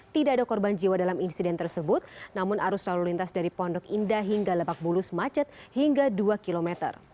tidak ada korban jiwa dalam insiden tersebut namun arus lalu lintas dari pondok indah hingga lebak bulus macet hingga dua km